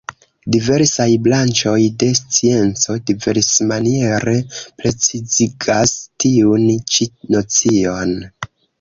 Diversaj branĉoj de scienco diversmaniere precizigas tiun ĉi nocion.